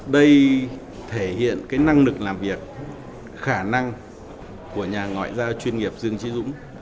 đây thể hiện cái năng lực làm việc khả năng của nhà ngoại giao chuyên nghiệp dương trí dũng